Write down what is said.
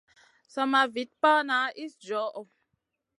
Sama Vit pana iss djoho.